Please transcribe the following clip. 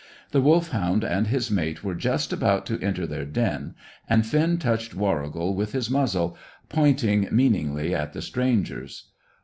The Wolfhound and his mate were just about to enter their den, and Finn touched Warrigal with his muzzle, "pointing" meaningly at the strangers.